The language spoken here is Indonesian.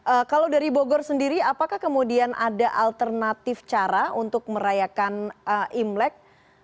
oke kalau dari bogor sendiri apakah kemudian ada alternatif cara untuk merayakan imlek